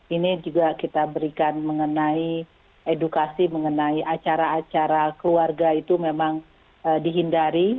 ini juga kita berikan mengenai edukasi mengenai acara acara keluarga itu memang dihindari